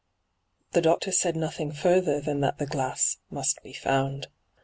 The doctor said nothing further than that ihe glass must be found.